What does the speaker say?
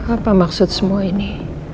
apa maksud semua ini